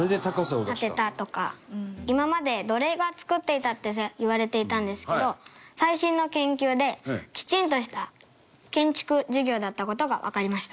今まで、奴隷が作っていたっていわれていたんですけど最新の研究できちんとした建築事業だった事がわかりました。